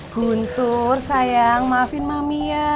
guntur sayang maafin mami ya